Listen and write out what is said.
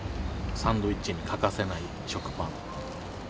サンドイッチに欠かせない食パン。